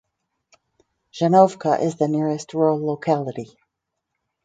Rzhanovka is the nearest rural locality.